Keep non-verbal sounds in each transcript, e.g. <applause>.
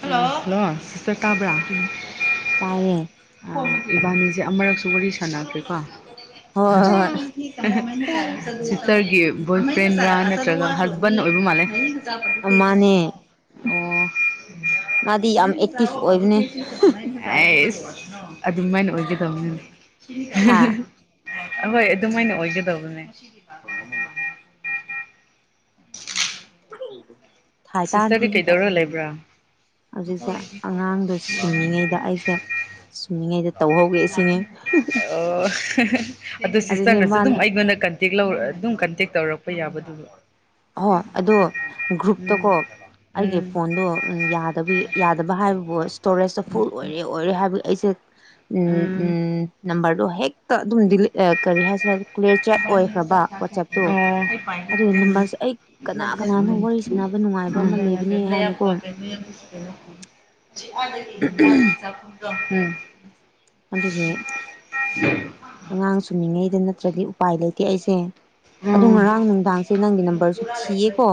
hello sister ꯇꯥꯕ꯭ꯔꯥ ꯎꯝ ꯇꯥꯏꯌꯦ ꯏꯕꯥꯅꯤꯁꯦ ꯑꯃꯔꯨꯔꯛꯁꯨ ꯋꯥꯔꯤ ꯁꯥꯟꯅꯈ꯭ꯔꯦꯀꯣ ꯍꯣꯏ <unintelligible> ꯍꯣꯏ ꯁꯤꯁꯇꯥꯔꯒꯤ ꯕꯣꯏ ꯐ꯭ꯔꯦꯟꯂ ꯅꯠꯇ꯭ꯔꯒ ꯍꯥꯁꯕꯦꯟ ꯑꯣꯏꯕ ꯃꯥꯜꯂꯦ ꯑꯣ ꯍꯣꯏ ꯃꯥꯅꯦ ꯃꯥꯗꯤ ꯌꯥꯝ ꯑꯦꯛꯇꯤꯚ ꯑꯣꯏꯕꯅꯦ ꯑꯩꯁ ꯑꯗꯨꯃꯥꯏꯅ ꯑꯣꯏꯒꯗꯧꯕꯅꯦ ꯍꯥ ꯍꯣꯏ ꯑꯗꯨꯃꯥꯏꯅ ꯑꯣꯏꯒꯗꯧꯕꯅꯦ ꯍ <inaudible> ꯃ <inaudible> ꯁꯤꯁꯇꯔꯗꯤ ꯀꯩꯗꯧꯔ ꯂꯩꯕ꯭ꯔꯥ ꯍꯧꯖꯤꯛꯁꯦ ꯍꯣꯏꯗꯤ ꯍꯔꯣ ꯑꯉꯥꯡꯗꯣ ꯁꯨꯝꯃꯤꯉꯩꯗ ꯑꯩꯁꯦ ꯁꯨꯝꯃꯤꯉꯩꯗ <inaudible> ꯇꯧꯍꯧꯒꯦ ꯁꯤꯅꯦ ꯑꯣ ꯑꯗꯨ ꯑꯗꯨꯅꯦ ꯁꯤꯁꯇꯔꯅꯁꯨ ꯑꯗꯨꯝ ꯃꯥꯅ ꯑꯩꯉꯣꯟꯗ ꯀꯟ ꯀꯟꯇꯦꯛꯔ ꯑꯗꯨꯝ ꯀꯟꯇꯦꯛ ꯇꯧꯔꯛꯄ ꯌꯥꯕꯗꯨ ꯑꯣ ꯑꯗꯣ ꯒ꯭ꯔꯨꯞꯇꯀꯣ ꯑꯩꯒꯤ ꯎꯝ ꯐꯣꯟꯗꯣ ꯌꯥꯗꯕ ꯌꯥꯗꯕ ꯍꯥꯏꯕꯕꯨ ꯏꯁꯇꯣꯔꯦꯁꯇ ꯐꯨꯜ ꯎꯝ ꯑꯣꯏꯔꯦ ꯑꯣꯏꯔꯦ ꯍꯥꯏꯕꯒꯤ ꯑꯩꯁꯦ ꯎꯝ ꯎꯝ ꯅꯝꯕꯔꯗꯣ ꯍꯦꯛꯇ ꯑꯗꯨꯝ ꯗꯤꯂꯤꯠ ꯀꯔꯤ ꯍꯥꯏꯁꯤꯔ ꯀ꯭ꯂꯤꯌꯥꯔ ꯆꯦꯠ ꯑꯣꯏꯈ꯭ꯔꯕ ꯋꯥꯆꯦꯞꯇꯨ ꯑꯗꯨꯒꯤ ꯅꯝꯕꯔꯁ ꯀꯅꯥ ꯀꯅꯥꯅ ꯋꯥꯔꯤ ꯁꯥꯟꯅꯕ ꯅꯨꯡꯉꯥꯏꯕ ꯑꯃ ꯂꯩꯕꯅꯦ ꯍꯥꯏꯅꯀꯣ <unintelligible> ꯆꯗ ꯑꯗꯨꯒꯤ ꯑꯉꯥꯡ ꯁꯨꯝꯃꯤꯉꯩꯗ ꯅꯠꯇ꯭ꯔꯗꯤ ꯎꯄꯥꯏ ꯂꯩꯇꯦ ꯑꯩꯁꯦ ꯑꯗꯣ ꯉꯔꯥꯡ ꯅꯨꯡꯗꯥꯡꯁꯦ ꯅꯪꯒꯤ ꯅꯝꯕꯔꯁꯨ ꯊꯤꯌꯦꯀꯣ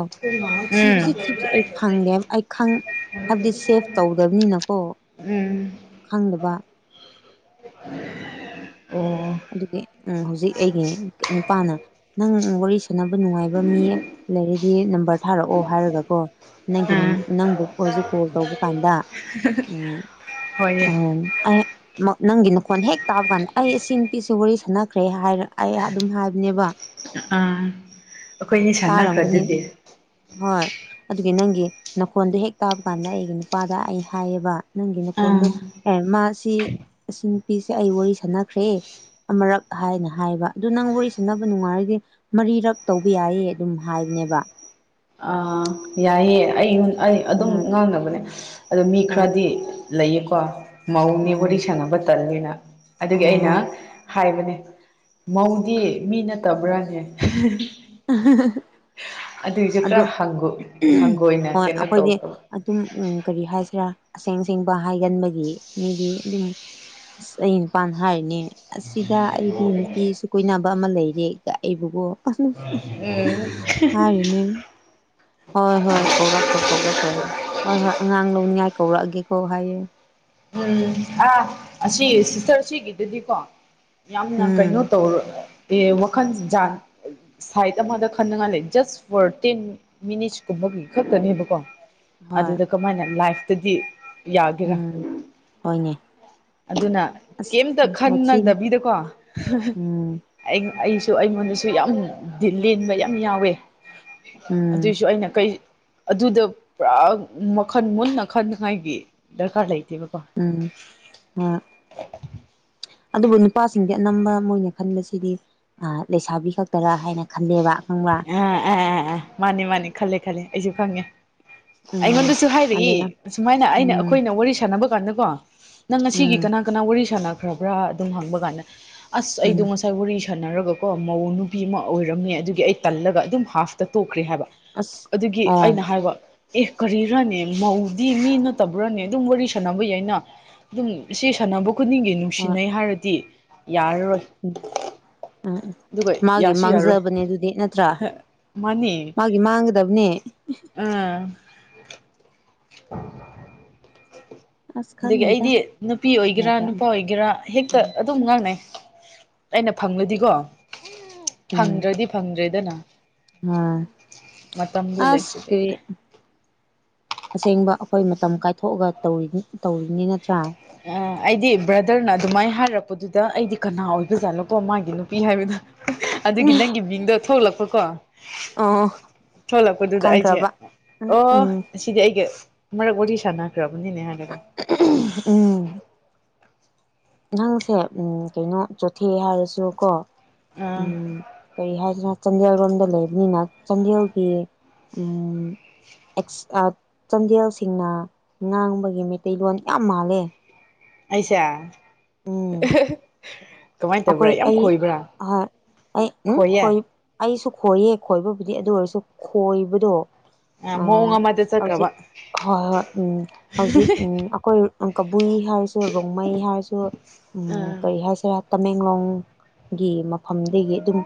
ꯊꯤꯕꯁꯤ ꯊꯤꯕꯁꯤ ꯑꯩ ꯐꯪꯗꯦ ꯑꯩ ꯍꯥꯏꯕꯗꯤ ꯁꯦꯞ ꯇꯧꯗꯕꯅꯤꯅꯀꯣ ꯈꯪꯗꯕ ꯑꯣ ꯑꯗꯨꯒꯤ ꯎꯝ ꯍꯧꯖꯤꯛ ꯑꯩꯒꯤ ꯅꯨꯄꯥꯅ ꯅꯪ ꯋꯥꯔꯤ ꯁꯥꯟꯅꯕ ꯅꯨꯡꯉꯥꯏꯕ ꯃꯤ ꯂꯩꯔꯗꯤ ꯅꯝꯕꯔ ꯊꯥꯔꯛꯑꯣ ꯍꯥꯏꯔꯒꯀꯣ ꯅꯪꯒꯤ ꯑꯥ ꯅꯪꯕꯨ ꯍꯧꯖꯤꯛ ꯀꯣꯜ ꯇꯧꯕ ꯀꯥꯟꯗ ꯎꯝ ꯍꯣꯏꯌꯦ ꯎꯝ ꯑꯩ ꯅꯪꯒꯤ ꯅꯈꯣꯟ ꯍꯦꯛ ꯇꯥꯕ ꯀꯥꯟꯗ ꯑꯩ ꯁꯤ ꯅꯨꯄꯤꯁꯤ ꯋꯥꯔꯤ ꯁꯥꯟꯅꯈ꯭ꯔꯦ ꯍꯥꯏꯔ ꯑꯩ ꯑꯗꯨꯝ ꯍꯥꯏꯕꯅꯦꯕ ꯑꯥ ꯑꯩꯈꯣꯏꯅꯤ ꯇꯥꯔꯝꯒꯅꯤ ꯁꯥꯟꯅꯈ꯭ꯔꯗꯨꯗꯤ ꯍꯣꯏ ꯑꯗꯨꯒꯤ ꯅꯪꯒꯤ ꯅꯈꯣꯟꯗꯣ ꯍꯦꯛ ꯇꯥꯕ ꯀꯥꯟꯗ ꯑꯩꯒꯤ ꯅꯨꯄꯥꯗ ꯑꯩ ꯍꯥꯏꯌꯦꯕ ꯅꯪꯒꯤ ꯅ ꯐꯣꯟꯗꯣ ꯑꯥ ꯑꯦ ꯃꯥ ꯁꯤ ꯑꯁꯤ ꯅꯨꯄꯤꯁꯦ ꯑꯩ ꯋꯥꯔꯤ ꯁꯥꯟꯅꯈ꯭ꯔꯦ ꯑꯃꯨꯔꯛ ꯍꯥꯏꯅ ꯍꯥꯏꯕ ꯑꯗꯨ ꯅꯪ ꯋꯥꯔꯤ ꯁꯥꯟꯅꯕ ꯅꯨꯡꯉꯥꯏꯔꯗꯤ ꯃꯔꯤꯔꯛ ꯇꯧꯕ ꯌꯥꯏꯑ ꯑꯗꯨꯝ ꯍꯥꯏꯕꯅꯦꯕ ꯑꯥ ꯌꯥꯏꯑꯦ ꯑꯩ ꯑꯩ ꯑꯗꯨꯝ ꯎꯝ ꯉꯥꯡꯅꯕꯅꯦ ꯑꯗꯣ ꯃꯤ ꯍꯣꯏ ꯈꯔꯗꯤ ꯂꯩꯌꯦꯀꯣ ꯃꯧꯅꯦ ꯋꯥꯔꯤ ꯎꯝ ꯁꯥꯅꯕꯥ ꯇꯂꯦꯅ ꯑꯗꯨꯒꯤ ꯍꯣꯏ ꯑꯩꯅ ꯍꯣꯏ ꯍꯥꯏꯕꯅꯦ ꯃꯧꯗꯤ ꯃꯤ ꯅꯠꯇꯕ꯭ꯔꯥꯅꯦ ꯎ <unintelligible> ꯑꯗꯨꯏꯁꯨꯦ ꯈꯔꯪ ꯍꯪꯒꯣꯏ ꯍꯪꯒꯣꯏꯅ ꯍꯣꯏ ꯀꯩꯅꯣ ꯑꯩꯈꯣꯏꯗꯤ ꯇꯧꯕ ꯑꯗꯨꯝ ꯎꯝ ꯀꯔꯤ ꯍꯥꯏꯁꯤꯔꯥ ꯑꯁꯦꯡ ꯑꯁꯦꯡꯕ ꯍꯥꯏꯒꯟꯕꯒꯤ ꯃꯤꯗꯤ ꯑꯗꯨꯝ ꯑꯁ ꯑꯩ ꯅꯨꯄꯥꯟꯅ ꯍꯥꯏꯔꯤꯅꯦ ꯑꯁꯤꯗ ꯑꯩꯗꯤ ꯅꯨꯄꯤꯁꯨ ꯀꯣꯏꯅꯕ ꯑꯃ ꯂꯩꯔꯦ ꯑꯩꯕꯨꯒꯣ ꯎꯝ <unintelligible> ꯍꯣꯏ ꯍꯣꯏ ꯀꯧꯔꯛꯈ꯭ꯔꯣ ꯀꯧꯔꯛꯈ꯭ꯔꯣ ꯍꯣꯏ ꯍꯣꯏ ꯑꯉꯥꯡ ꯂꯧꯅꯤꯡꯉꯥꯏ ꯀꯧꯔꯛꯑꯒꯦꯀꯣ ꯍꯥꯏꯌꯦ ꯎꯝ ꯑꯥ ꯑꯁꯤ ꯁꯤꯁꯇꯔ ꯁꯤꯒꯤꯗꯗꯤꯀꯣ ꯌꯥꯝꯅ ꯎꯝ ꯀꯩꯅꯣ ꯇꯧꯔ ꯑꯦ ꯋꯥꯈꯜ ꯖꯠ ꯁꯥꯏꯠ ꯑꯃꯗ ꯈꯟꯅꯉꯜꯂꯦ ꯖꯁ ꯐꯣꯔ ꯇꯦꯟ ꯃꯤꯅꯤꯠꯁ ꯀꯨꯝꯕꯒꯤ ꯈꯛꯇꯅꯦꯕꯀꯣ ꯍꯣꯏ ꯑꯗꯗꯥ ꯀꯃꯥꯏꯅ ꯂꯥꯏ꯭ꯐꯇꯥꯗꯤ ꯎꯝ ꯍꯣꯏꯅꯦ ꯑꯗꯨꯅ ꯑꯁ ꯀꯩꯝꯇ ꯋꯥꯊꯤꯅꯤ ꯈꯟꯅꯗꯕꯤꯗꯀꯣ ꯎꯝ ꯑꯩꯁꯨ ꯑꯩꯉꯣꯟꯗꯁꯨ ꯌꯥꯝ ꯂꯦꯟꯕ ꯌꯥꯝ ꯌꯥꯎꯋꯦ ꯎꯝ ꯑꯗꯨꯏꯁꯨ ꯑꯩꯅ ꯀꯩ ꯑꯗꯨꯗ ꯄꯨꯔꯥ ꯃꯈꯟ ꯃꯨꯟꯅ ꯈꯟꯅꯉꯥꯏꯒꯤ ꯗꯔꯀꯥꯔ ꯂꯩꯇꯦꯕꯀꯣ ꯎꯝ ꯑ ꯑꯗꯨꯕꯨ ꯅꯨꯄꯥꯁꯤꯡꯗꯤ ꯑꯅꯝꯕ ꯃꯣꯏꯅ ꯈꯟꯕꯁꯤꯗꯤ ꯂꯩꯁꯥꯕꯤ ꯈꯛꯇꯔꯥ ꯍꯥꯏꯅ ꯈꯜꯂꯦꯕ ꯑꯈꯪꯕ꯭ꯔ ꯑ ꯑꯦ ꯃꯥꯅꯤ ꯃꯥꯅꯤ ꯈꯜꯂꯦ ꯈꯂꯦ ꯑꯩꯁꯨ ꯈꯪꯉꯦ ꯎꯝ ꯑꯩꯉꯣꯟꯗꯁꯨ ꯍꯥꯏꯔꯛꯏ ꯑꯗꯨꯅ ꯁꯨꯃꯥꯏꯅ ꯑꯩꯅ ꯎꯝ ꯑꯩꯈꯣꯏꯅ ꯋꯥꯔꯤ ꯁꯥꯟꯅꯕ ꯀꯥꯟꯗꯀꯣ ꯅꯪ ꯉꯁꯤꯒꯤ ꯎꯝ ꯀꯅꯥ -ꯀꯅꯥ ꯋꯥꯔꯤ ꯁꯥꯟꯅꯈ꯭ꯔꯕ꯭ꯔꯥ ꯑꯗꯨꯝ ꯍꯪꯕ ꯀꯥꯟꯗ ꯑꯁ ꯑꯩꯗꯣ ꯎꯝ ꯉꯁꯥꯏ ꯁ ꯋꯥꯔꯤ ꯁꯥꯟꯅꯔꯒꯀꯣ ꯃꯧ ꯅꯨꯄꯤ ꯑꯃ ꯑꯣꯏꯔꯝꯃꯦ ꯑꯗꯨꯒꯤ ꯑꯩ ꯇꯜꯂꯒ ꯑꯗꯨꯝ ꯍꯥꯐꯇ ꯇꯣꯛꯈ꯭ꯔꯦ ꯍꯥꯏꯕ ꯑꯁ ꯑꯗꯨꯒꯤ ꯑꯣ ꯍꯣꯏ ꯑꯩꯅ ꯍꯥꯏꯕ ꯑꯦ ꯀꯔꯤꯔꯥꯅꯤ ꯃꯧꯗꯤ ꯃꯤ ꯅꯠꯇꯕ꯭ꯔꯥꯅꯤ ꯑꯗꯨꯝ ꯋꯥꯔꯤ ꯁꯥꯟꯅꯕ ꯌꯥꯏꯅ ꯑꯗꯨꯝ ꯁꯤ ꯁꯥꯟꯅꯕ ꯈꯨꯗꯤꯡꯒꯤ ꯅꯨꯡꯁꯤꯅꯩ ꯍꯥꯏꯔꯗꯤ ꯌꯥꯔꯔꯣꯏ ꯎꯝ -ꯎꯝ ꯑꯗꯨꯒ ꯃꯥꯒꯤ ꯌꯥꯁꯨ ꯌꯥꯔꯣꯏ ꯃꯥꯡꯖꯕꯅꯦ ꯑꯗꯨꯗꯤ ꯅꯠꯇ꯭ꯔꯥ ꯃꯥꯒꯤ ꯃꯥꯡꯒꯗꯕꯅꯦ ꯎꯝ <unintelligible> ꯑꯁ ꯑꯗꯒꯤ ꯈꯪꯗꯦꯗ ꯑꯩꯗꯤ ꯅꯨꯄꯤ ꯖꯥꯠ ꯑꯣꯏꯒꯦꯔꯥ ꯅꯨꯄꯥ ꯑꯣꯏꯒꯦꯔꯥ ꯍꯦꯛꯇ ꯖꯥꯠꯅꯤ ꯑꯗꯨꯝ ꯉꯥꯡꯅꯩ ꯑꯩꯅ ꯐꯪꯂꯗꯤꯀꯣ ꯐꯪꯗ꯭ꯔꯗꯤ ꯐꯪꯗ꯭ꯔꯦꯗꯅ ꯑꯥ ꯃꯇꯝꯗꯣ ꯑꯁ ꯂꯩꯇ꯭ꯔꯗꯤ ꯀ꯭ꯔꯤ ꯑꯁꯦꯡꯕ ꯑꯩꯈꯣꯏ ꯃꯇꯝ ꯀꯥꯏꯊꯣꯛꯑꯒ ꯇꯧꯔꯤ ꯇꯧꯔꯤꯅꯤ ꯅꯠꯇ꯭ꯔꯥ ꯑ ꯑꯩꯗꯤ ꯕ꯭ꯔꯗꯔꯅ ꯑꯗꯨꯃꯥꯏꯅ ꯍꯥꯏꯔꯛꯄꯗꯨꯗ ꯑꯩꯗꯤ ꯀꯅꯥ ꯑꯣꯏꯕꯖꯥꯠꯅꯣꯀꯣ ꯃꯥꯒꯤ ꯅꯨꯄꯤ ꯍꯥꯏꯕꯗ ꯑꯗꯨꯒꯤ ꯅꯪꯒꯤ ꯃꯤꯡꯗꯣ ꯊꯣꯛꯂꯛꯄꯀꯣ ꯑꯣ ꯊꯣꯛꯂꯛꯄꯗꯨꯗ ꯑꯩꯁꯦ ꯈꯪꯈ꯭ꯔꯕ ꯎꯝ ꯑꯣ ꯎꯝ ꯁꯤꯗꯤ ꯑꯩꯒ ꯃꯔꯒ ꯑꯣꯔꯤꯁꯥꯅꯈ꯭ꯔꯕꯅꯤꯅꯦ ꯍꯥꯏꯔꯒ ꯎꯝ ꯅꯪꯁꯦ ꯎꯝ ꯀꯩꯅꯣ ꯆꯣꯊꯦ ꯍꯥꯏꯔꯁꯨ ꯀꯣ ꯑꯥ ꯀꯔꯤ ꯍꯥꯏꯖꯤꯔ ꯆꯥꯟꯗꯦꯜ ꯂꯣꯝꯗ ꯂꯩꯕꯅꯤꯅ ꯆꯥꯟꯗꯦꯜꯒꯤ ꯎꯝ <unintelligible> ꯆꯥꯟꯗꯦꯜꯁꯤꯡꯅ ꯉꯥꯡꯕꯒꯤ ꯃꯩꯇꯩꯂꯣꯟ ꯌꯥꯝ ꯃꯥꯜꯂꯦ ꯑꯩꯁꯦ ꯎꯝ ꯀꯃꯥꯏꯅ ꯇꯧꯕ꯭ꯔꯥ ꯑꯩꯈꯣꯏ ꯌꯥꯝ ꯑꯩ ꯈꯣꯏꯕ꯭ꯔꯥ ꯍꯣꯏ ꯑꯩ ꯎꯝ ꯈꯣꯏꯌꯦ ꯈꯣꯏ ꯑꯩꯁꯨ ꯈꯣꯏꯌꯦ ꯈꯣꯏꯕꯕꯨꯗꯤ ꯑꯗꯨ ꯑꯣꯏꯔꯁꯨ ꯈꯣꯏꯕꯗꯣ ꯑ ꯃꯑꯣꯡ ꯑꯥ ꯑꯃꯗ ꯆꯠꯈ꯭ꯔꯕ ꯍꯧꯖꯤꯛ ꯍꯣꯏ ꯍꯣꯏ ꯎꯝ ꯍꯧꯖꯤꯛ ꯎꯝ ꯑꯩꯈꯣꯏ ꯀꯕꯨꯏ ꯍꯥꯏꯔꯁꯨ ꯔꯣꯡꯃꯩ ꯍꯥꯏꯔꯁꯨ ꯎꯝ ꯑꯥ ꯀꯔꯤ ꯍꯥꯏꯁꯤꯔ ꯇꯃꯦꯡꯂꯣꯡ ꯒꯤ ꯃꯐꯝꯗꯒꯤ ꯑꯗꯨꯝ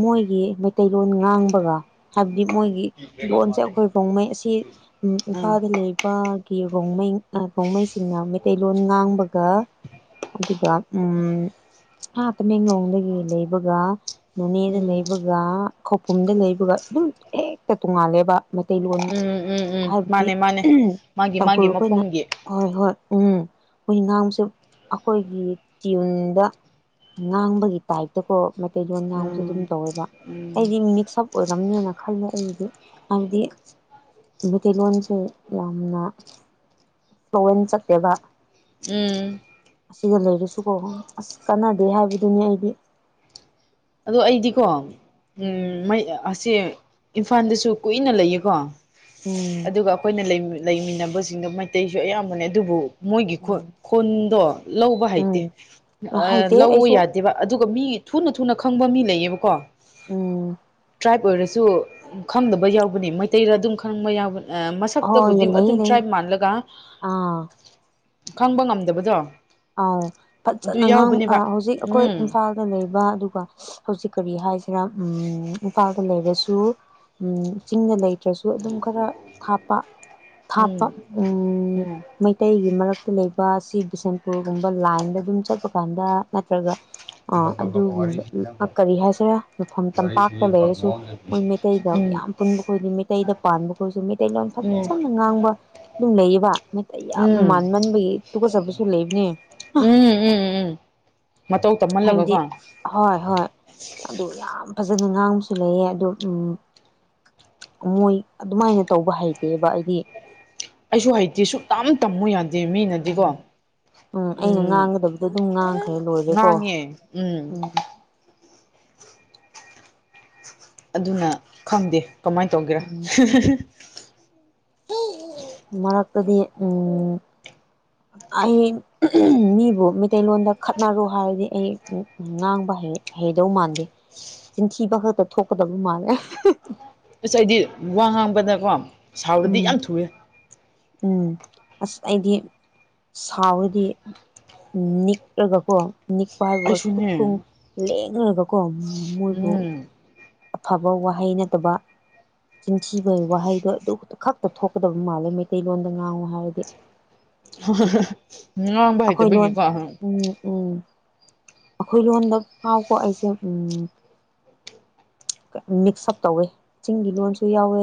ꯃꯣꯏꯒꯤ ꯃꯩꯇꯩꯂꯣꯟ ꯉꯥꯡꯕꯒ ꯍꯥꯏꯕꯗꯤ ꯃꯣꯏꯒꯤ ꯂꯣꯟꯁꯦ ꯑꯩꯈꯣꯏ ꯔꯣꯡꯃꯩ ꯑꯁꯤ ꯑꯥ ꯏꯝꯐꯥꯜꯗ ꯂꯩ ꯅꯨꯄꯥꯒꯤ ꯔꯣꯡꯃꯩꯁꯤꯡꯅ ꯀꯣꯡꯃꯩꯁꯤꯡꯅ ꯃꯩꯇꯩꯂꯣꯟ ꯉꯥꯡꯕꯒ ꯑꯗꯨꯒ ꯎꯝ ꯑꯥ ꯇꯃꯦꯡꯂꯣꯡꯗꯒꯤ ꯂꯩꯕꯒ ꯅꯣꯅꯦꯗ ꯎꯝ ꯂꯩꯕꯒ ꯈꯧꯄꯨꯝꯗ ꯂꯩꯕꯒ ꯑꯗꯨꯝ ꯍꯦꯛꯇ ꯇꯣꯡꯉꯥꯜꯂꯦꯕ ꯃꯩꯇꯩꯂꯣꯟ ꯎꯝ ꯎꯝ ꯎꯝ ꯍꯥꯏꯕꯗꯤ ꯃꯥꯅꯦ ꯃꯥꯅꯦ ꯃꯥꯒꯤ ꯇꯥꯡꯈꯨꯜ ꯃꯥꯒꯤ ꯑꯩꯈꯣꯏꯅ ꯃꯐꯝꯒꯤ ꯍꯣꯏ- ꯍꯣꯏ ꯎꯝ ꯍꯣꯏ ꯉꯥꯡꯁꯨ ꯑꯩꯈꯣꯏꯒꯤ ꯇ꯭ꯌꯨꯟꯗ ꯉꯥꯡꯕꯒꯤ ꯇꯥꯏꯞꯇꯀꯣ ꯃꯩꯇꯩꯂꯣꯟ ꯉꯥꯡꯕꯁꯨ ꯑꯗꯨꯝ ꯎꯝ ꯇꯧꯋꯦꯕ ꯎꯝ ꯑꯩꯗꯤ ꯃꯤꯛꯁ ꯑꯞ ꯑꯣꯏꯔꯝꯅꯤꯅ ꯈꯜꯂꯦ ꯑꯩꯗꯤ ꯍꯥꯏꯕꯗꯤ ꯃꯩꯇꯩꯂꯣꯟꯁꯦ ꯌꯥꯝꯅ ꯐ꯭ꯂꯣꯟ ꯆꯠꯇꯦꯕ ꯎꯝ ꯑꯁꯤꯗ ꯂꯩꯔꯁꯨꯀꯣ ꯑꯁ ꯀꯥꯟꯅꯗꯦ ꯍꯥꯏꯕꯗꯨꯅꯤ ꯑꯩꯗꯤ ꯑꯗꯣ ꯑꯩꯗꯤꯀꯣ ꯎꯝ ꯎꯝ ꯃꯩ ꯑꯁꯦ ꯏꯝꯐꯥꯜꯗꯁꯨ ꯀꯨꯏꯅ ꯂꯩꯌꯦꯀꯣ ꯎꯝ ꯑꯗꯨꯒ ꯑꯩꯈꯣꯏꯅ ꯂꯩꯃꯤꯟꯅꯕꯁꯤꯡꯗ ꯃꯩꯇꯩꯁꯨ ꯑꯌꯥꯝꯕꯅꯦ ꯑꯗꯨꯕꯨ ꯃꯣꯏꯒꯤ ꯈꯨꯠ ꯈꯣꯟꯗꯣ ꯂꯧꯕ ꯍꯥꯏꯇꯦ ꯎꯝ ꯎꯝ ꯍꯩꯇꯦ ꯂꯧꯕ ꯑꯩꯁꯨ ꯌꯥꯗꯦꯕ ꯑꯗꯨꯒ ꯃꯤ ꯊꯨꯅ- ꯊꯨꯅ ꯈꯪꯕ ꯃꯤ ꯂꯩꯌꯦꯕꯀꯣ ꯎꯝ ꯇ꯭ꯔꯥꯏꯕ ꯑꯣꯏꯔꯁꯨ ꯎꯝ ꯈꯪꯗꯕ ꯌꯥꯎꯕꯅꯤ ꯃꯩꯇꯩꯔ ꯑꯗꯨꯝ ꯈꯪꯕ ꯌꯥꯎꯕ ꯑꯥ ꯃꯁ ꯁꯛꯇꯕꯨꯗꯤ ꯍꯣꯏ ꯂꯩꯌꯦ ꯑꯗꯨꯝ ꯂꯩꯌꯦ ꯇ꯭ꯔꯥꯏꯕ ꯃꯥꯜꯂꯒ ꯑꯥ ꯈꯪꯕ ꯉꯝꯗꯕꯗꯣ ꯑꯥꯎ ꯑꯗꯨ ꯐꯖꯅꯥ ꯉꯥꯡ ꯌꯥꯎꯕꯅꯦꯕ ꯑꯥ ꯍꯧꯖꯤꯛ ꯑꯩꯈꯣꯏ ꯎꯝ ꯏꯝꯐꯥꯜꯗ ꯂꯩꯕ ꯑꯗꯨꯒ ꯍꯧꯖꯤꯛ ꯀꯔꯤ ꯍꯥꯏꯁꯤꯔ ꯎꯝ ꯏꯝꯐꯥꯜꯗ ꯂꯩꯔꯁꯨ ꯎꯤ ꯆꯤꯡꯗ ꯂꯩꯇ꯭ꯔꯁꯨ ꯑꯗꯨꯝ ꯈꯔ ꯊꯥꯞꯄ ꯎꯝ ꯊꯥꯞꯄ ꯎꯝ ꯃꯩꯇꯩꯒꯤ ꯃꯔꯛꯇ ꯂꯩꯕ ꯑꯁꯤ ꯕꯤꯁꯦꯝ ꯄꯨꯔꯒꯨꯝꯕ ꯂꯥꯏꯟꯗ ꯑꯗꯨꯝ ꯆꯠꯄ ꯀꯥꯟꯗ ꯅꯠꯇ꯭ꯔꯒ ꯑꯥ ꯑꯗꯨꯒꯨꯝꯕ ꯑꯥ ꯀꯔꯤ ꯍꯥꯏꯁꯤꯔꯥ ꯃꯐꯝ ꯇꯝꯄꯥꯛꯇ ꯂꯩꯔꯁꯨ ꯃꯣꯏ ꯃꯩꯇꯩꯒ ꯎꯝ ꯌꯥꯝ ꯄꯨꯟꯕ ꯈꯣꯏꯗꯤ ꯃꯩꯇꯩꯗ ꯄꯥꯟꯕ ꯈꯣꯏꯁꯨ ꯃꯩꯇꯩꯂꯣꯟ ꯎꯝ ꯐꯖꯅ ꯉꯥꯡꯕ ꯑꯗꯨꯝ ꯂꯩꯌꯦꯕ ꯃꯩꯇꯩ ꯌꯥꯝ ꯃꯥꯟꯃꯟꯕꯒꯤ ꯇꯨꯀꯠꯆꯕꯁꯨ ꯂꯩꯕꯅꯦ ꯎꯝ ꯎꯝ ꯎꯝ ꯎꯝ ꯃꯇꯧ ꯍꯥꯏꯕꯗꯤ ꯇꯝꯍꯜꯂꯒꯀꯣ ꯍꯣꯏ ꯍꯣꯏ ꯑꯗꯨ ꯌꯥꯝ ꯐꯖꯅ ꯉꯥꯡꯕꯁꯨ ꯂꯩꯌꯦ ꯑꯗꯨ ꯎꯝ ꯃꯣꯏ ꯑꯗꯨꯃꯥꯏꯅ ꯇꯧꯕ ꯍꯩꯇꯦꯕ ꯑꯩꯗꯤ ꯑꯩꯁꯨ ꯍꯩꯇꯦ ꯁꯨꯛ ꯌꯥꯝ ꯇꯝꯃꯨ ꯌꯥꯗꯦ ꯃꯤꯅꯗꯤꯀꯣ ꯎꯝ ꯑꯩꯅ ꯎꯝ ꯉꯥꯡꯒꯗꯕꯗꯣ ꯑꯗꯨꯝ ꯉꯥꯡꯈ꯭ꯔꯦ ꯂꯣꯏꯔꯦꯀꯣ ꯉꯥꯡꯉꯦ ꯎꯝ ꯑꯗꯨꯅ ꯈꯪꯗꯦ ꯀꯃꯥꯏꯅ ꯇꯧꯒꯦꯔꯥ ꯃꯔꯛꯇꯗꯤ ꯎꯝ ꯑꯩ ꯃꯤꯕꯨ ꯃꯩꯇꯩꯂꯣꯟꯗ ꯈꯠꯅꯔꯣ ꯍꯥꯏꯔꯗꯤ ꯑꯩ ꯎꯝ ꯉꯥꯡꯕ ꯍꯩ ꯍꯩꯗꯧ ꯃꯥꯟꯗꯦ ꯆꯤꯟꯊꯤꯕ ꯈꯛꯇ ꯊꯣꯛꯀꯗꯕ ꯃꯥꯜꯂꯦ ꯑꯁ ꯑꯩꯗꯤ ꯋꯥ ꯉꯥꯡꯕꯅꯀꯣ ꯁꯥꯎꯔꯗꯤ ꯎꯝ ꯌꯥꯝ ꯊꯨꯏꯌꯦ ꯎꯝ ꯑꯁ ꯑꯩꯗꯤ ꯁꯥꯎꯔꯗꯤ ꯅꯤꯛꯔꯒꯀꯣ ꯅꯤꯛ ꯄꯥꯏꯕ ꯈꯨꯠ ꯈꯣꯡ ꯑꯩꯁꯨꯅꯦ ꯂꯦꯡꯔꯒꯀꯣ ꯃꯣꯏꯕꯨ ꯎꯝ ꯑꯐꯕ ꯋꯥꯍꯩ ꯅꯠꯇꯕ ꯆꯤꯟꯊꯤꯕꯩ ꯋꯥꯍꯩꯗꯣ ꯑꯗꯨ ꯈꯠꯇ ꯈꯛꯇ ꯊꯣꯛꯀꯗꯕ ꯃꯥꯜꯂꯦ ꯃꯩꯇꯩꯂꯣꯟꯗ ꯉꯥꯡꯉꯨ ꯍꯥꯏꯔꯗꯤ ꯉꯥꯡꯕ ꯑꯩꯈꯣꯏ ꯂꯣꯟ ꯍꯩꯇꯕꯒꯤꯀꯣ ꯎꯝ ꯎꯝ ꯑꯈꯣꯏ ꯂꯣꯟꯗ ꯐꯥꯎꯀꯣ ꯑꯩꯁꯦ ꯎꯝ ꯃꯤꯛꯁꯑꯞ ꯇꯧꯋꯦ ꯆꯤꯡꯒꯤ ꯂꯣꯟꯁꯨ ꯌꯥꯎꯋꯦ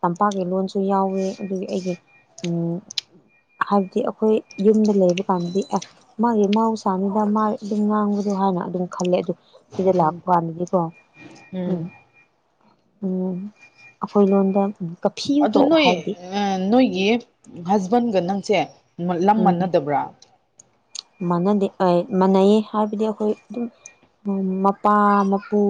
ꯇꯝꯄꯥꯛꯀꯤ ꯂꯣꯟꯁꯨ ꯌꯥꯎꯋꯦ ꯑꯗꯨꯒꯤ ꯑꯩꯒꯤ ꯎꯝ ꯍꯥꯏꯕꯗꯤ ꯑꯈꯣꯏ ꯌꯨꯝꯗ ꯂꯩꯕ ꯀꯥꯟꯗꯗꯤ ꯑꯦ ꯃꯥꯒꯤ ꯃꯍꯧꯁꯥꯅꯤꯗ ꯃꯥ ꯑꯗꯨꯝ ꯉꯥꯡꯕꯗꯣ ꯍꯥꯏꯅ ꯑꯗꯨꯝ ꯈꯜꯂꯦ ꯑꯗꯨ ꯁꯤꯗ ꯎꯝ ꯂꯥꯛꯄ ꯀꯥꯟꯗꯗꯤ ꯀꯣ ꯎꯝ ꯎꯝ ꯑꯈꯣꯏ ꯂꯣꯟꯗ ꯎꯝ ꯑꯗꯣ ꯅꯣꯏ ꯅꯣꯏꯒꯤ ꯍꯁꯕꯦꯟꯒ ꯅꯪꯁꯦ ꯂꯝ ꯎꯝ ꯃꯥꯟꯅꯗꯕ꯭ꯔꯥ ꯃꯥꯟꯅꯗꯦ ꯑꯩ ꯃꯥꯟꯅꯩꯌꯦ ꯍꯥꯏꯕꯗꯤ ꯑꯩꯈꯣꯏ ꯑꯗꯨꯝ ꯃꯣꯏ ꯃꯄꯥ ꯃꯄꯨ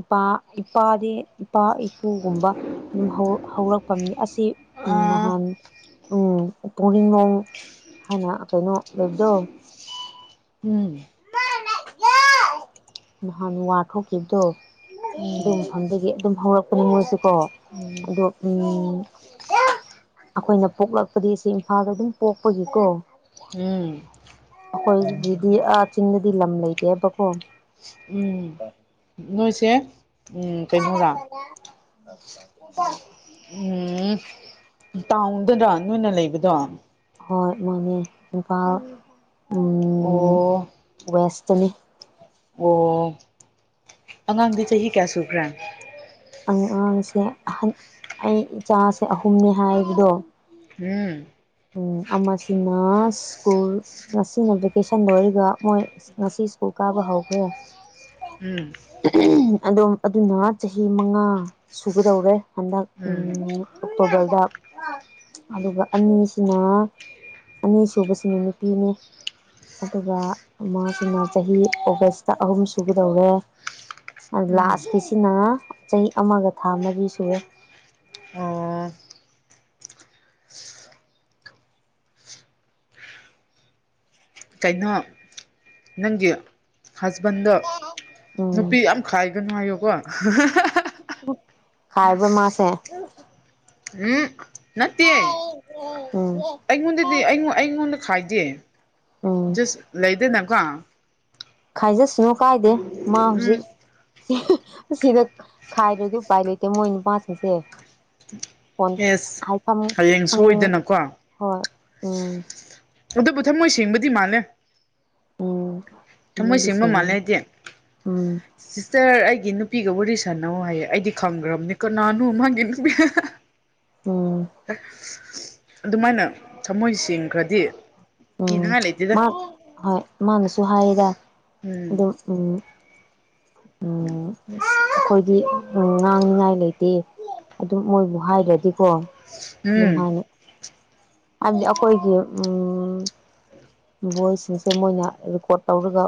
ꯏꯄꯥ ꯏꯄꯥꯗꯤ ꯏꯄꯥ ꯏꯄꯨꯒꯨꯝꯕ ꯑꯗꯨꯝ ꯍꯧ ꯍꯧꯔꯛꯐꯝꯅꯤ ꯑꯁꯤ ꯎꯝ ꯑ ꯅꯍꯥꯟ ꯎꯝ ꯄꯣꯡꯔꯤꯡꯅꯣꯡ ꯍꯥꯏꯅ ꯀꯩꯅꯣ ꯂꯩꯕꯗꯣ ꯎꯝ ꯅꯍꯥꯟ ꯋꯥꯔ ꯊꯣꯛꯈꯤꯕꯗꯣ ꯎꯝ ꯑꯗꯨ ꯃꯐꯝꯗꯒꯤ ꯑꯗꯨꯝ ꯍꯧꯔꯛꯄꯅꯦ ꯃꯣꯏꯁꯨ ꯀꯣ ꯎꯝ ꯑꯗꯣ ꯎꯝ ꯑꯈꯣꯏꯅ ꯄꯣꯛꯂꯛꯄꯗꯤ ꯁꯤ ꯏꯝꯐꯥꯜꯗ ꯑꯗꯨꯝ ꯄꯣꯛꯄꯒꯤ ꯀꯣ ꯎꯝ ꯑꯈꯣꯏꯖꯤꯗꯗꯤ ꯑꯥ ꯆꯤꯡꯗꯗꯤ ꯂꯝ ꯂꯩꯇꯦꯕꯀꯣ ꯎꯝ <unintelligible> ꯅꯣꯏꯁꯦ ꯎꯝ ꯀꯩꯅꯣꯔꯥ <unintelligible> ꯎꯝ ꯇꯥꯎꯟꯗꯅ ꯅꯣꯏꯅ ꯂꯩꯕꯗꯣ ꯍꯣꯏ ꯃꯣꯏꯅꯦ ꯏꯝꯐꯥꯜ ꯎꯝ ꯑꯣ ꯋꯦꯁꯇꯅꯤ ꯑꯣ ꯑꯉꯥꯡꯗꯤ ꯆꯍꯤ ꯀꯌꯥ ꯁꯨꯈ꯭ꯔꯦ ꯑꯉꯥꯡꯁꯦ ꯑꯍꯟ ꯑꯩ ꯏꯆꯥꯁꯦ ꯑꯍꯨꯝꯅꯦ ꯍꯥꯏꯕꯗꯣ ꯎꯝ ꯑꯃꯁꯤꯅ ꯁ꯭ꯀꯨꯜ ꯉꯁꯤꯅ ꯚꯦꯀꯦꯁꯟ ꯂꯣꯏꯔꯒ ꯃꯣꯏ ꯉꯁꯤ ꯁ꯭ꯀꯨꯜ ꯀꯥꯕ ꯍꯧꯈ꯭ꯔꯦ ꯎꯝ ꯑꯝ ꯑꯗꯨꯅ ꯆꯍꯤ ꯃꯉꯥ ꯁꯨꯒꯗꯧꯔꯦ ꯍꯟꯗꯛ ꯎꯝ ꯑꯣꯛꯇꯣꯕꯔꯗ ꯑꯗꯨꯒ ꯑꯅꯤ ꯁꯤꯅ ꯑꯅꯤꯁꯨꯕꯁꯤꯅ ꯅꯨꯄꯤꯅꯦ ꯑꯗꯨꯒ ꯃꯥꯁꯤꯅ ꯆꯍꯤ ꯑꯣꯒꯁꯇ ꯑꯍꯨꯝ ꯁꯨꯒꯗꯧꯔꯦ ꯎꯝ ꯂꯥꯁꯀꯤꯁꯤꯅ ꯆꯍꯤ ꯑꯃꯒ ꯊꯥ ꯃꯔꯤ ꯁꯨꯔꯦ ꯑꯣ ꯀꯩꯅꯣ ꯅꯪꯒꯤ ꯍꯖꯕꯟꯗ ꯅꯨꯄꯤ ꯎꯝ ꯌꯥꯝ ꯈꯥꯏꯒꯅꯨ ꯍꯥꯏꯌꯣꯀꯣ ꯈꯥꯏꯕꯣꯔ ꯃꯥꯥꯁꯦ ꯎꯝ ꯅꯠꯇꯦ ꯎꯝ ꯑꯩꯉꯣꯟꯗꯗꯤ ꯑꯩꯉ ꯑꯩꯉꯣꯟꯗ ꯈꯥꯏꯗꯦ ꯎꯝ ꯖꯁ ꯂꯩꯗꯅꯀꯣ ꯈꯥꯏꯖꯠꯁꯅꯣ ꯀꯥꯏꯗꯦ ꯃꯥ ꯍꯧꯖꯤꯛ ꯎꯝ ꯁꯤꯗ ꯈꯥꯏꯗ꯭ꯔꯗꯤ ꯎꯄꯥꯏ ꯂꯩꯇꯦ ꯃꯣꯏ ꯅꯨꯄꯥꯁꯤꯡꯁꯦ ꯄꯣꯟ ꯑꯦꯁ ꯍꯥꯏꯐꯝ ꯍꯌꯦꯡ ꯈꯪꯉ ꯁꯣꯏꯗꯅꯀꯣ ꯍꯣꯏ ꯎꯝ ꯑꯗꯨꯕꯨ ꯊꯝꯃꯣꯏ ꯁꯦꯡꯕꯗꯤ ꯃꯥꯜꯂꯦ ꯎꯝ ꯊꯃꯣꯏ ꯃꯣꯏꯗꯤ ꯁꯦꯡꯕ ꯃꯥꯜꯂꯦ ꯁꯦꯡꯉꯤ ꯍꯥꯏꯗꯤ ꯎꯝ ꯁꯤꯁꯇꯔ ꯑꯩꯒꯤ ꯅꯨꯄꯤꯒꯕꯨꯔꯤꯁꯅꯧ ꯍꯥꯏꯌꯦ ꯑꯩꯗꯤ ꯈꯪꯈ꯭ꯔꯕꯅꯤ ꯀꯅꯥꯅꯣ ꯃꯥꯒꯤ ꯅꯨꯄꯤ ꯎꯝ ꯑꯗꯨꯃꯥꯏꯅ ꯊꯃꯣꯏ ꯁꯦꯡꯈ꯭ꯔꯗꯤ ꯎꯝ ꯀꯤꯅꯤꯡꯉꯥꯏ ꯂꯩꯇꯦꯗ ꯃꯥ ꯍꯣꯏ ꯃꯥꯅꯁꯨ ꯍꯥꯏꯌꯦꯗ ꯎꯝ ꯑꯗꯨꯝ ꯎꯝ ꯎꯝ ꯑꯩꯈꯣꯏꯗꯤ ꯉꯥꯡꯅꯤꯉꯥꯏ ꯂꯩꯇꯦ ꯑꯗꯨꯝ ꯃꯣꯏꯕꯨ ꯍꯥꯏꯔꯗꯤꯀꯣ ꯑꯗꯨꯝ ꯎꯝ ꯍꯥꯏꯅꯩ ꯍꯥꯏꯕꯗꯤ ꯑꯩꯈꯣꯏꯒꯤ ꯎꯝ ꯚꯣꯏꯁꯁꯤꯡꯁꯦ ꯃꯣꯏꯅ ꯔꯦꯀꯣꯔꯠ ꯇꯧꯔꯒ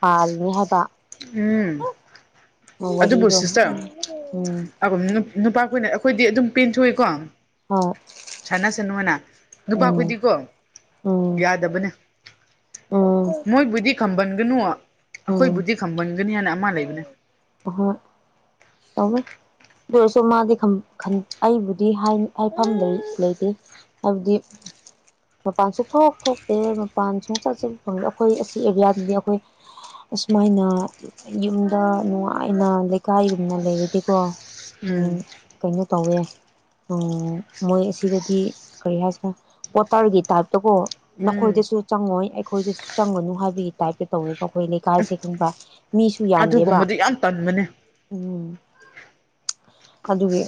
ꯄꯥꯜꯅꯤ ꯍꯥꯏꯕ ꯎꯝ ꯑꯗꯨꯕꯨ ꯋꯥꯔꯤꯗꯣ ꯁꯤꯁꯇ꯭ꯔ ꯎꯝ ꯅꯨꯄꯥ ꯀꯨꯏꯅ ꯑꯩꯈꯣꯏꯗꯤ ꯑꯗꯨꯝ ꯄꯦꯟꯊꯣꯛꯏꯀꯣ ꯍꯣꯏ ꯁꯥꯟꯅꯁꯅꯨꯅ ꯎꯝ ꯅꯨꯄꯥꯈꯨꯏꯗꯤꯀꯣ ꯎꯝ ꯌꯥꯗꯕꯅꯦ ꯎꯝ ꯃꯣꯏꯕꯨꯗꯤ ꯈꯝꯕꯟꯒꯅꯨ ꯎꯝ ꯈꯥꯝꯃꯟꯒꯅꯤ ꯍꯥꯏꯅ ꯑꯃ ꯂꯩꯕꯅꯦ ꯍꯣꯏ ꯇꯝꯃꯦ ꯑꯗꯨꯔꯁꯨ ꯃꯥꯗꯤ ꯑꯩꯕꯨꯗꯤ ꯍꯥꯏꯐꯝ ꯂꯩꯇꯦ ꯍꯥꯢꯕꯗꯤ ꯃꯄꯥꯟ ꯁꯨꯊꯣꯛ ꯊꯣꯛꯇꯦ ꯃꯄꯥꯟ ꯁꯨꯡꯆꯠ ꯆꯠ ꯐꯪꯗꯦ ꯑꯩꯈꯣꯏ ꯑꯁꯤ ꯑꯦꯔꯤꯌꯥꯗꯗꯤ ꯑꯩꯈꯣꯏ ꯑꯁꯨꯃꯥꯏꯅ ꯌꯨꯝꯗ ꯅꯨꯡꯉꯥꯏꯅ ꯂꯩꯀꯥꯏꯒꯨꯝꯅ ꯂꯩꯔꯗꯤꯀꯣ ꯑꯝ ꯎꯝ ꯀꯩꯅꯣ ꯇꯧꯋꯦ ꯃꯣꯏ ꯎꯝ ꯑꯁꯤꯗꯗꯤ ꯀꯔꯤ ꯍꯥꯏꯁꯤꯔꯥ ꯄꯣꯇ꯭ꯔꯒꯤ ꯇꯥꯏꯞꯇꯀꯣ ꯎꯝ ꯅꯈꯣꯏꯗꯁꯨ ꯆꯪꯉꯣꯏ ꯑꯩꯈꯣꯏꯗꯁꯨ ꯆꯪꯒꯅꯨ ꯍꯥꯏꯕꯒꯤ ꯇꯥꯏꯞꯇ ꯇꯧꯋꯦ ꯑꯩꯈꯣꯏ ꯂꯩꯀꯥꯏꯁꯦ ꯈꯪꯕ ꯃꯤꯁꯨ ꯌꯥꯝꯗꯦꯕ ꯑꯗꯨꯒꯨꯝꯕꯗꯤ ꯌꯥꯝ ꯇꯟꯕꯅꯦ ꯎꯝ ꯑꯗꯨꯒꯤ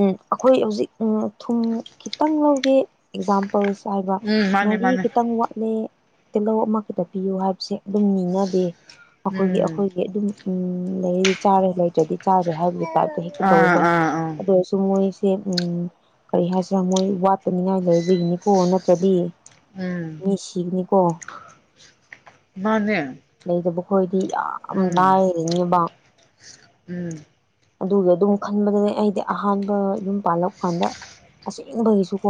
ꯎꯝ ꯑꯩꯈꯣꯏ ꯍꯧꯖꯤꯛ ꯎꯝ ꯊꯨꯝ ꯈꯤꯇꯪ ꯂꯧꯒꯦ ꯑꯦꯛꯖꯥꯝ ꯄꯜꯁ ꯍꯥꯏꯕ ꯎꯝ ꯃꯥꯅꯦ ꯉꯥꯔꯤ ꯃꯥꯅꯦ ꯈꯤꯇꯪ ꯋꯥꯠꯂꯦ ꯇꯤꯜꯍꯧ ꯑꯃꯈꯛꯇ ꯄꯤꯌꯨ ꯍꯥꯏꯕꯁꯦ ꯑꯗꯨꯝ ꯅꯤꯅꯗꯦ ꯑꯩꯈꯣꯏꯒꯤ ꯎꯝ ꯑꯩꯈꯣꯏꯒꯤ ꯑꯗꯨꯝ ꯎꯝ ꯂꯩꯔꯗꯤ ꯆꯥꯔꯦ ꯂꯩꯇ꯭ꯔꯗꯤ ꯆꯥꯗ꯭ꯔꯦ ꯍꯥꯏꯕꯒꯤ ꯇꯥꯏꯞꯇ ꯍꯦꯛꯇ ꯑꯥ ꯇꯧꯋꯦꯕ ꯑꯥ ꯑꯥ ꯑꯗꯨ ꯑꯣꯏꯔꯁꯨ ꯃꯣꯏ ꯁꯦ ꯀꯔꯤ ꯍꯥꯏꯁꯤꯔꯥ ꯃꯣꯏ ꯋꯥꯠꯇꯅꯤꯡꯉꯥꯏ ꯂꯩꯕꯒꯤꯅꯤꯀꯣ ꯅꯠꯇ꯭ꯔꯗꯤ ꯎꯝ ꯃꯤ ꯁꯤꯒꯅꯤꯀꯣ ꯃꯥꯅꯦ ꯂꯩꯗꯕꯈꯣꯏꯗꯤ ꯌꯥꯝ ꯎꯝ ꯂꯥꯢꯔꯤꯅꯦꯕ ꯎꯝ ꯑꯗꯨꯒꯤ ꯑꯗꯨꯝ ꯈꯟꯕꯅꯦ ꯑꯩꯗꯤ ꯑꯍꯥꯟꯕ ꯌꯨꯝ ꯄꯥꯜꯂꯛ ꯀꯥꯟꯗ ꯑꯁꯦꯡꯕꯒꯤꯁꯨꯀꯣ